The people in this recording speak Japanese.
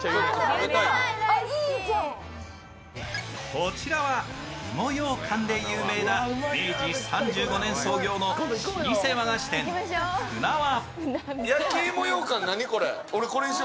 こちらは芋ようかんで有名な明治３５年創業の老舗和菓子店、舟和。